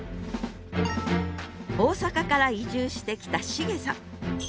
大阪から移住してきた重さん。